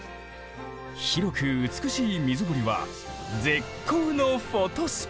広く美しい水堀は絶好のフォトスポット！